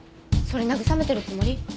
それ慰めてるつもり？